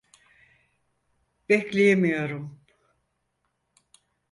Bekleyemiyorum.